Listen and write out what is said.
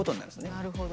なるほど。